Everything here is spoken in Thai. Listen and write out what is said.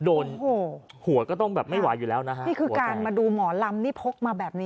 หัวก็ต้องแบบไม่ไหวอยู่แล้วนะฮะนี่คือการมาดูหมอลำนี่พกมาแบบนี้